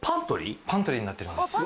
パントリーになってます。